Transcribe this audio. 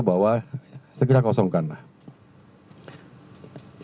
bahwa segera kosongkan lah